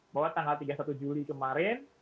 bahwa tanggal tiga puluh satu juli kemarin